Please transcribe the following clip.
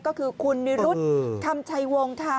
ก็คือคุณนิรุธคำชัยวงศ์ค่ะ